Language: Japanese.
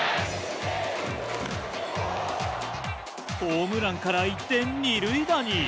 ホームランから一転二塁打に。